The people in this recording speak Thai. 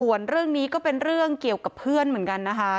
ส่วนเรื่องนี้ก็เป็นเรื่องเกี่ยวกับเพื่อนเหมือนกันนะคะ